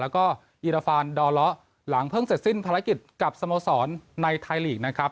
แล้วก็อีราฟานดอเลาะหลังเพิ่งเสร็จสิ้นภารกิจกับสโมสรในไทยลีกนะครับ